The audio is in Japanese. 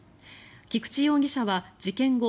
菊池容疑者は事件後